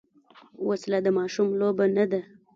وسله د ماشوم لوبه نه ده